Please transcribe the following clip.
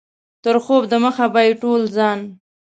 تر خوب دمخه به یې ټول ځان.